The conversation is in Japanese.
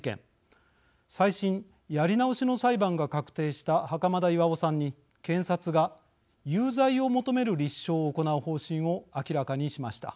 再審やり直しの裁判が確定した袴田巌さんに検察が有罪を求める立証を行う方針を明らかにしました。